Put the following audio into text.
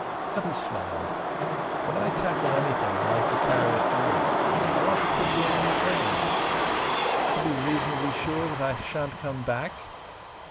Cutty smiled. "When I tackle anything I like to carry it through. I want to put you on your train." "To be reasonably sure that I shan't come back?"